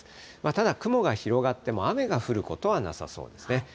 ただ雲が広がっても、雨が降ることはなさそうですね。